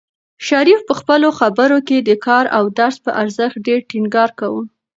شریف په خپلو خبرو کې د کار او درس په ارزښت ډېر ټینګار کاوه.